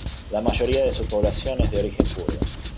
La mayoría de su población es de origen kurdo.